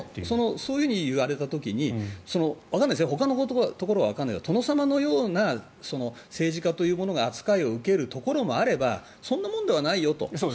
そういわれた時にわからないですよほかのところはわからないけど殿様のような政治家というものが扱いを受けるところもあればそんなものではないよと。